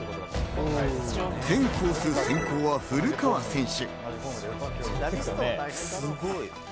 全コース、先攻は古川選手。